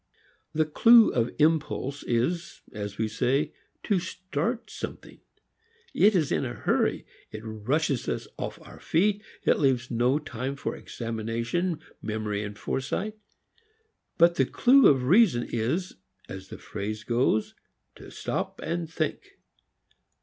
The clew of impulse is, as we say, to start something. It is in a hurry. It rushes us off our feet. It leaves no time for examination, memory and foresight. But the clew of reason is, as the phrase also goes, to stop and think.